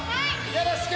よろしく！